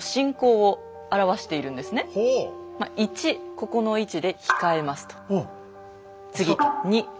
ここの位置で控えますと。